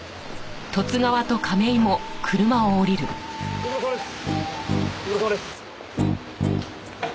ご苦労さまです！